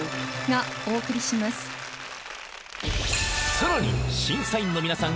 ［さらに審査員の皆さん